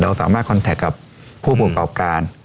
เราสามารถคอนแทคกับผู้ผลกรอบการ